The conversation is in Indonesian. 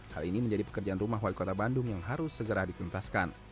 hal ini menjadi pekerjaan rumah wali kota bandung yang harus segera dituntaskan